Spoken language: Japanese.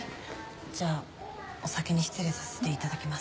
じゃあお先に失礼させていただきます。